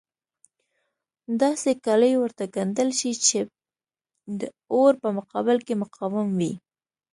داسې کالي ورته ګنډل شي چې د اور په مقابل کې مقاوم وي.